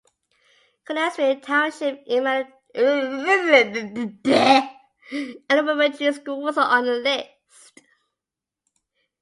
Connellsville Township Elementary School was on the list.